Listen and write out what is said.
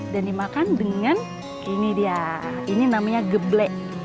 dan dimakan dengan ini dia ini namanya geble